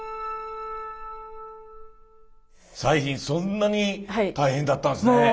そんなに大変だったんですね。